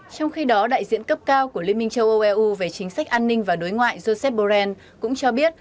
trong khi đó đại diện cấp cao của liên minh châu âu eu về chính sách an ninh và đối ngoại joseph borrell cũng cho biết